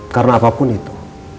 karena apapun itu